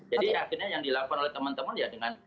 jadi akhirnya yang dilakukan oleh teman teman ya dengan